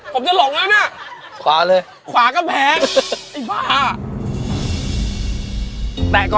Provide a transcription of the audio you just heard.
ผมจะหลงแล้วเนี่ยขวาก็แผงไอ้บ้า